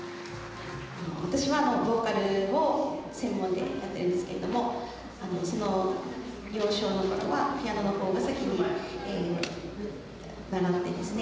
私はボーカルを専門でやっているんですけども、幼少のころはピアノのほうを先に習っていますね。